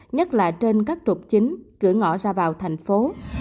nhất là trên các trục chính cửa ngõ ra vào thành phố